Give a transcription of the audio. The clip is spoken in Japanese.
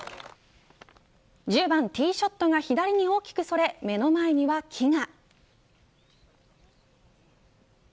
１０番ティーショットが左に大きくそれ目の前には木が。